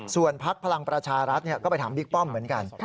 ส่วนพักพลังประชารัฐก็ไปถามบิ๊กป้อมเหมือนกัน